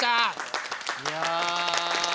いや。